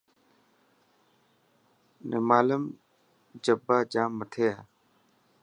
نمالم جبا جام مٿي هي.